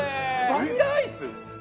バニラアイス？